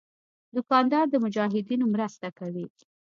دوکاندار د مجاهدینو مرسته کوي.